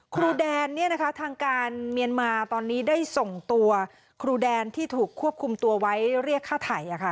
ครูแดนเนี่ยนะคะทางการเมียนมาตอนนี้ได้ส่งตัวครูแดนที่ถูกควบคุมตัวไว้เรียกค่าไถ่